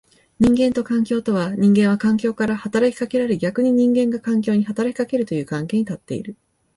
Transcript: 人間と環境とは、人間は環境から働きかけられ逆に人間が環境に働きかけるという関係に立っている。